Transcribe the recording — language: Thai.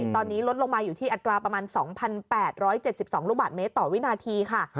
ตอนนี้ลดลงมาอยู่ที่อัตราประมาณ๒๘๗๒ลูกบาทเมตรต่อวินาทีค่ะ